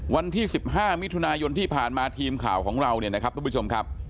วันที่๑๕มิถุนายนที่ผ่านมาทีมข่าวของเราเนี่ยนะครับทุกผู้ชมครับ